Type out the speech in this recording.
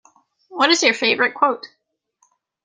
What is your favorite quote?